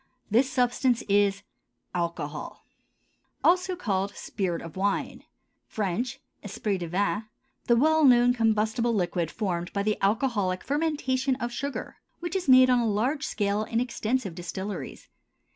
This substance is— ALCOHOL, also called spirit of wine; French, esprit de vin; the well known combustible liquid formed by the alcoholic fermentation of sugar, which is made on a large scale in extensive distilleries.